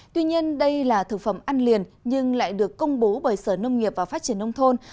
tuy nhiên đây là thực phẩm ăn liền nhưng lại được công bố bởi sở nông nghiệp và phát triển nông thôn